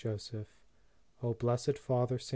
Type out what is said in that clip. JOSEPH. O BLESSED FATHER ST.